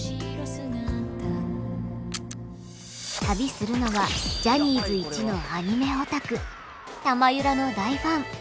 旅するのはジャニーズ１のアニメオタク「たまゆら」の大ファン